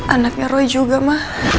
anaknya roy juga ma